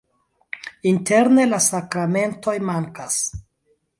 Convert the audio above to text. Interne la sakramentoj mankas.